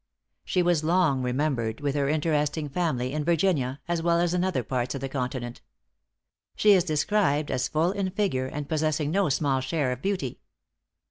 She was long remembered, with her interesting family, in Virginia, as well as in other parts of the continent. She is described as full in figure, and possessing no small share of beauty.